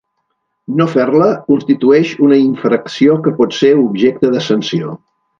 No fer-la constitueix una infracció que pot ser objecte de sanció.